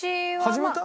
始めた？